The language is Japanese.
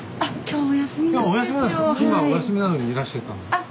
今お休みなのにいらしてたんですか？